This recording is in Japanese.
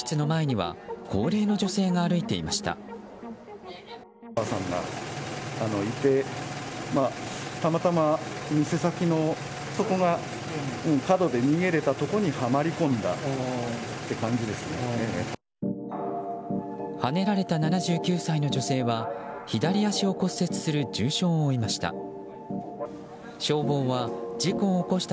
はねられた７９歳の女性は左足を骨折する重傷を負いました。